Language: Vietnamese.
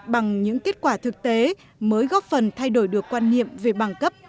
bằng những kết quả thực tế mới góp phần thay đổi được quan niệm về bằng cấp